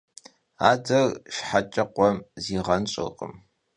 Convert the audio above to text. Ader şşxeç'e khuem ziğenş'ırkhım.